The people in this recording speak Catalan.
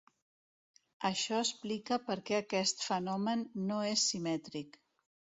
Això explica perquè aquest fenomen no és simètric.